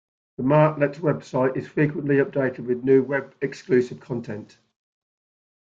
The Martlet's website is frequently updated with new web-exclusive content.